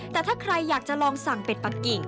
แต่ถ้าใครอยากจะลองสั่งเป็ดปักกิ่ง